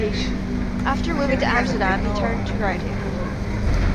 After moving to Amsterdam he turned to writing.